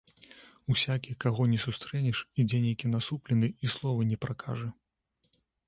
Усякі, каго ні сустрэнеш, ідзе нейкі насуплены і слова не пракажа.